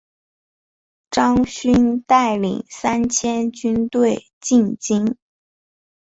张勋带领三千军队进京。